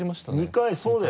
２回そうだよ。